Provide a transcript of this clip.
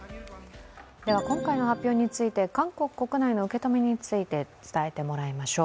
今回の発表について、韓国国内の受け止めについて伝えてもらいましょう。